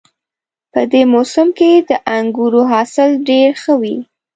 په دې موسم کې د انګورو حاصل ډېر ښه وي